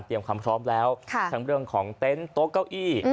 เตรียมคำครอบแล้วประทานเรื่องของเตนต์โต๊ะเก้าอี้